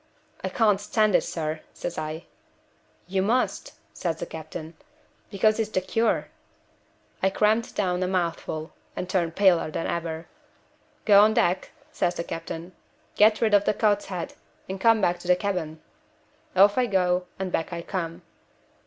'I can't stand it, sir,' says I. 'You must,' says the captain, 'because it's the cure.' I crammed down a mouthful, and turned paler than ever. 'Go on deck,' says the captain. 'Get rid of the cod's head, and come back to the cabin.' Off I go, and back I come.